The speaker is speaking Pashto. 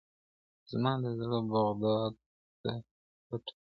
زما د زړه بغداد ته پټه